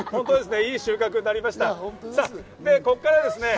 いい収穫になりました。